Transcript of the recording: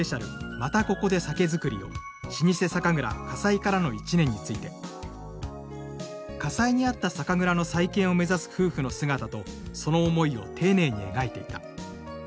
「またここで酒造りを老舗酒蔵火災からの１年」について「火災に遭った酒蔵の再建を目指す夫婦の姿とその思いを丁寧に描いていた」